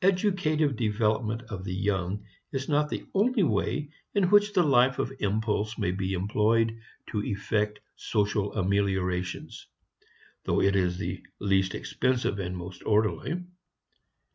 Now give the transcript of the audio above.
Educative development of the young is not the only way in which the life of impulse may be employed to effect social ameliorations, though it is the least expensive and most orderly.